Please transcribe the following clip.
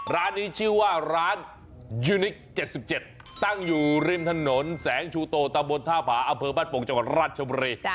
ร้านนี้ชื่อว่าร้านยูนิค๗๗ตั้งอยู่ริมถนนแสงชูโตตะบนท่าผาอำเภอบ้านโป่งจังหวัดราชบุรี